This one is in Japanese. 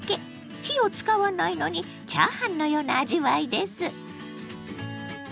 火を使わないのにチャーハンのような味わいです。